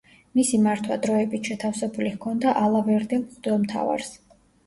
მისი მართვა დროებით შეთავსებული ჰქონდა ალავერდელ მღვდელმთავარს.